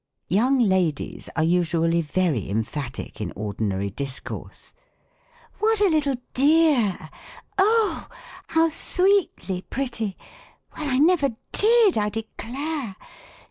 Young ladies are usually very emphatic in ordinary discourse. " What a little dear ! Oh ! how sweetly pretty ! Well ! I never did, I declare